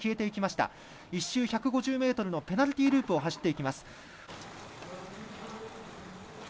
１周１５０ｍのペナルティーループを走っていきます。